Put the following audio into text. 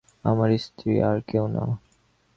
আমার স্ত্রী, আর কেউ না।